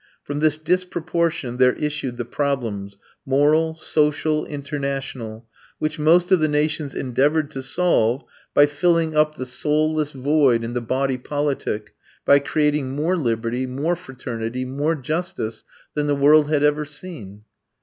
From this disproportion there issued the problems, moral, social, international, which most of the nations endeavoured to solve by filling up the soulless void in the body politic by creating more liberty, more fraternity, more justice than the world had ever seen.